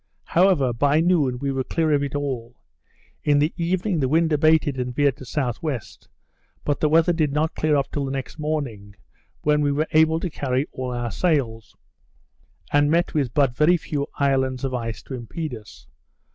However, by noon, we were clear of it all. In the evening the wind abated, and veered to S.W. but the weather did not clear up till the next morning, when we were able to carry all our sails, and met with but very few islands of ice to impede us.